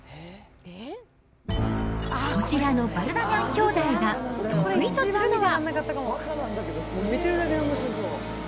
こちらのヴァルダニャン兄弟が得意とするのは。